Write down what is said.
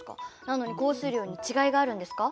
なのに降水量に違いがあるんですか？